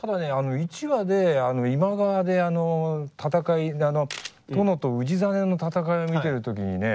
１話で今川で戦いの殿と氏真の戦いを見てる時にね